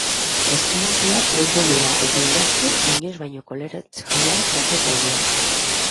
Eskalapoiak bueltan dira eta indartsu eta inoiz baino koloretsuago datoz gainera.